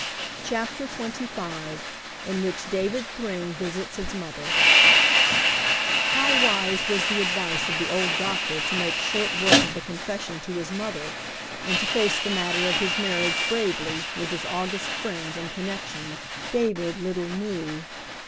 CHAPTER XXV IN WHICH DAVID THRYNG VISITS HIS MOTHER How wise was the advice of the old doctor to make short work of the confession to his mother, and to face the matter of his marriage bravely with his august friends and connections, David little knew.